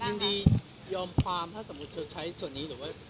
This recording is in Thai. จริงยอมความถ้าสมมุติเจ้าใช้ส่วนนี้